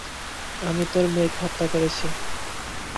আমিই তোর মেয়েকে হত্যা করেছি।